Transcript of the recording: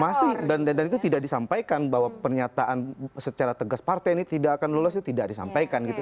masih dan itu tidak disampaikan bahwa pernyataan secara tegas partai ini tidak akan lolos itu tidak disampaikan gitu